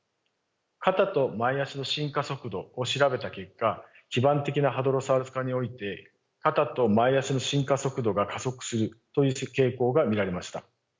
肩と前肢の進化速度を調べた結果基盤的なハドロサウルス科において肩と前肢の進化速度が加速するという傾向が見られました。